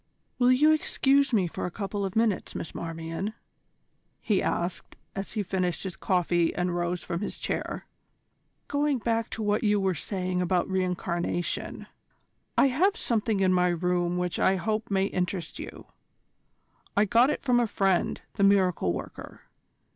"Will you excuse me for a couple of minutes, Miss Marmion?" he asked, as he finished his coffee and rose from his chair. "Going back to what you were saying about re incarnation: I have something in my room which I hope may interest you. I got it from my friend, the miracle worker.